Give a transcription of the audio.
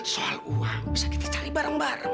soal uang bisa kita cari bareng bareng